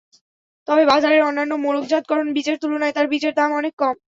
তবে বাজারের অন্যান্য মোড়কজাতকরণ বীজের তুলনায় তাঁর বীজের দাম অনেক কম।